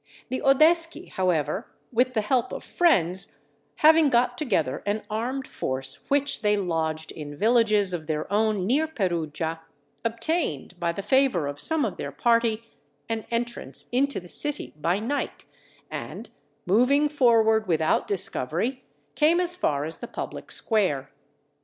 The Oddeschi, however, with the help of friends, having got together an armed force which they lodged in villages of their own near Perugia, obtained, by the favour of some of their party, an entrance into the city by night, and moving forward without discovery, came as far as the public square.